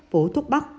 phố thuốc bắc